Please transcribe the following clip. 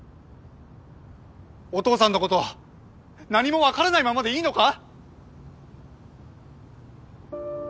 お父さんのこと何もわからないままでいいのか？